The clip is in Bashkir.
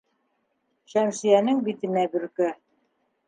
Шәмсиәнең битенә бөркә.